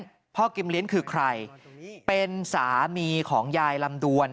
เพราะฉะนั้นพ่อกิมเลี้ยนคือใครเป็นสามีของยายลำดวน